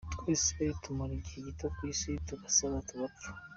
Twese tumara igihe gito ku isi tugasaza, tugapfa.